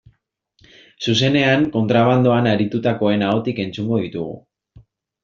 Zuzenean, kontrabandoan aritutakoen ahotik entzungo ditugu.